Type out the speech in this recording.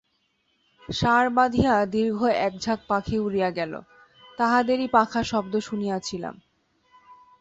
সার বাঁধিয়া দীর্ঘ একঝাঁক পাখি উড়িয়া গেল, তাহাদেরই পাখার শব্দ শুনিয়াছিলাম।